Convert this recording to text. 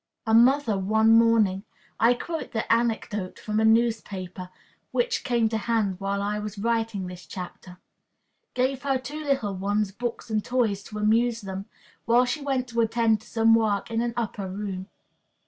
"A mother, one morning" I quote the anecdote from a newspaper[B] which came to hand while I was writing this chapter "gave her two little ones books and toys to amuse them, while she went to attend to some work in an upper room.